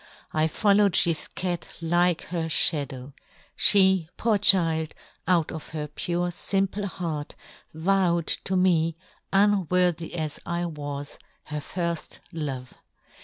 I fol " lowed Gifquette like her (hadow ;" fhe, poor child, out of her pure " fimple heart vowed to me, unwor " thy as I was, her firft love.